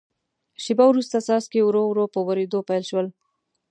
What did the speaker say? شیبه وروسته څاڅکي ورو ورو په ورېدو پیل شول.